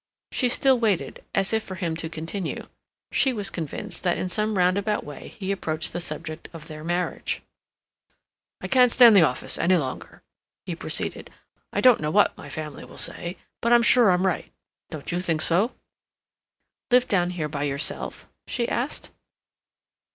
She still waited, as if for him to continue; she was convinced that in some roundabout way he approached the subject of their marriage. "I can't stand the office any longer," he proceeded. "I don't know what my family will say; but I'm sure I'm right. Don't you think so?" "Live down here by yourself?" she asked.